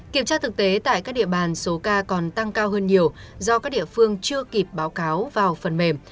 kiểm tra thực tế tại các địa bàn số ca còn tăng cao hơn nhiều do các địa phương chưa kịp báo cáo vào phần mềm